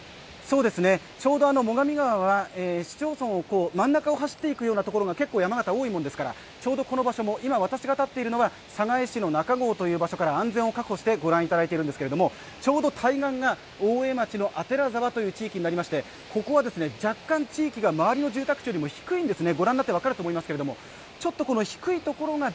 そうですね、ちょうど最上川は市町村の真ん中を走っていくようなところが多いものですからちょうどこの場所も、今、私が立っているのは寒河江市の中郷という場所から安全を確保して御覧いただいているんですけど、ちょうど対岸が大江町の左沢という地域になりましてここは若干、地域が周りの住宅地よりも低いんですね。